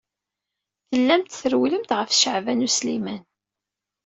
Tellamt trewwlemt ɣef Caɛban U Sliman.